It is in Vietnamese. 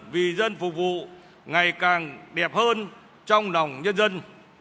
vì dân phục vụ ngày càng đẹp hơn trong lòng nhân dân